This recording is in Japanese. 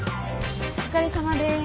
お疲れさまです。